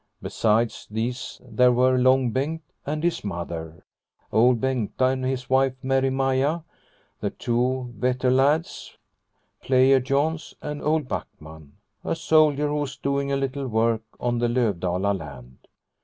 Besides these there were Long Bengt and his Mother, Old Bengta and his wife, Merry Maia, the two Vetter lads, Player Jons and Old Backman, a soldier who was doing a little work on the Lovdala land.